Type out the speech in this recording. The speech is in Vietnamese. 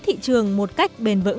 thị trường một cách bền vững